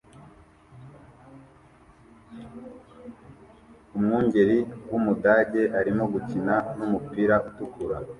Umwungeri wumudage arimo gukina numupira utukura